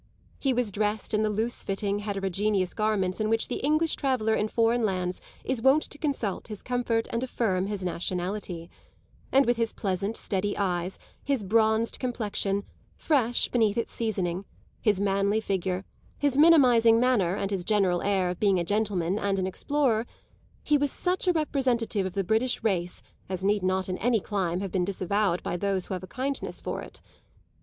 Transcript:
He was dressed in the loose fitting, heterogeneous garments in which the English traveller in foreign lands is wont to consult his comfort and affirm his nationality; and with his pleasant steady eyes, his bronzed complexion, fresh beneath its seasoning, his manly figure, his minimising manner and his general air of being a gentleman and an explorer, he was such a representative of the British race as need not in any clime have been disavowed by those who have a kindness for it.